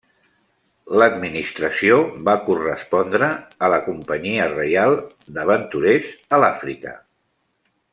L'administració va correspondre a la Companyia Reial d'Aventurers a l'Àfrica.